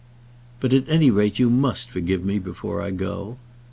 "But at any rate you must forgive me before I go."